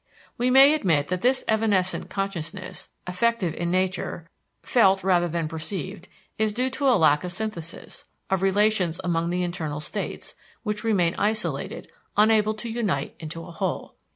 We may admit that this evanescent consciousness, affective in nature, felt rather than perceived, is due to a lack of synthesis, of relations among the internal states, which remain isolated, unable to unite into a whole.